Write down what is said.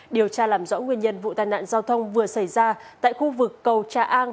điều tra làm rõ nguyên nhân vụ tai nạn giao thông vừa xảy ra tại khu vực cầu trà an